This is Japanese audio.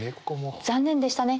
「残念でしたね」